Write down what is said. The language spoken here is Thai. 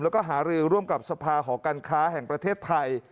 แล้วก็หารือร่วมกับสภาหอการค้าแห่งประเทศไทย